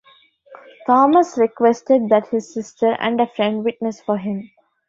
Thomas requested that his sister and a friend witness for him.